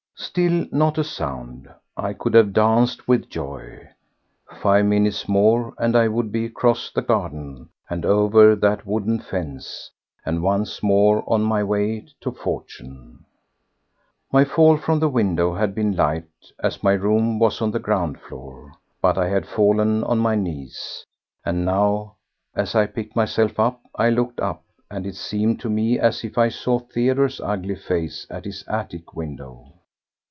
Still not a sound. I could have danced with joy. Five minutes more and I would be across the garden and over that wooden fence, and once more on my way to fortune. My fall from the window had been light, as my room was on the ground floor; but I had fallen on my knees, and now, as I picked myself up, I looked up, and it seemed to me as if I saw Theodore's ugly face at his attic window.